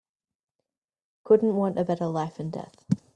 Couldn't want a better life and death.